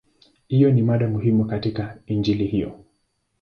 Hiyo ni mada muhimu katika Injili hiyo.